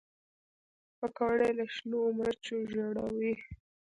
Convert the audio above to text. پکورې له شنو مرچو ژړوي